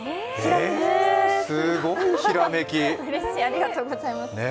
すごいひらめき。